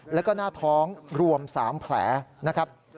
แล้วก็หน้าท้องรวม๓แผลนะครับ